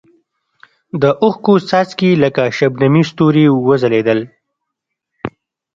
د اوښکو څاڅکي یې لکه شبنمي ستوري وځلېدل.